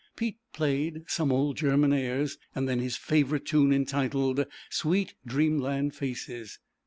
Pete played some old German airs and then his favorite tune entitled, " Sweet Dreamland Faces."